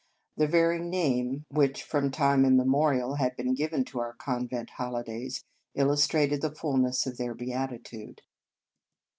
The very name which from time immemorial had been given to our convent holi days illustrated the fulness of their beatitude.